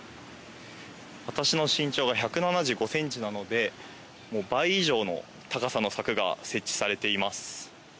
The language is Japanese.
私の身長が１７５ｃｍなので倍以上の高さの柵が設置されています。